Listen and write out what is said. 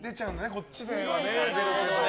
こっちでは出るけど。